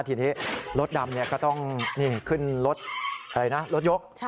ทีนี้รถดำเนี่ยก็ต้องขึ้นรถยก